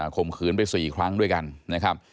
ข่มขืนไป๔ครั้งด้วยกันนะครับ